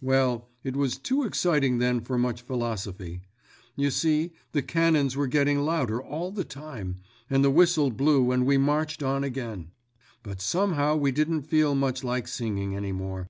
Well, it was too exciting then for much philosophy. You see, the cannons were getting louder all the time, and the whistle blew and we marched on again. But somehow we didn't feel much like singing any more!"